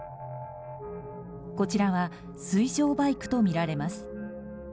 こちらは水上バイクとみられます。